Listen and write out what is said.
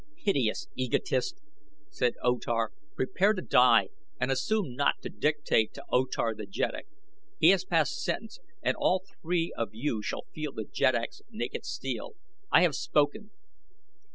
"Hideous egotist," said O Tar, "prepare to die and assume not to dictate to O Tar the jeddak. He has passed sentence and all three of you shall feel the jeddak's naked steel. I have spoken!"